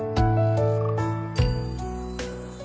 โรงเรียน